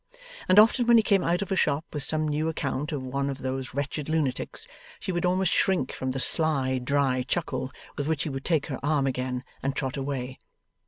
And often when he came out of a shop with some new account of one of those wretched lunatics, she would almost shrink from the sly dry chuckle with which he would take her arm again and trot away.